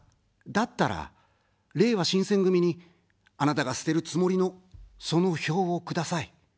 だったら、れいわ新選組に、あなたが捨てるつもりの、その票をください。